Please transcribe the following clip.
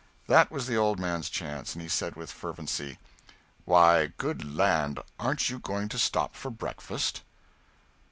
That was the old man's chance, and he said with fervency "Why good land, aren't you going to stop to breakfast?"